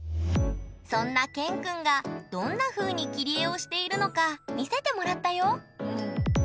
そんなＫＥＮくんがどんなふうに切り絵をしているのか見せてもらったよ